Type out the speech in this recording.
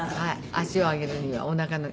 足を上げるにはおなかの。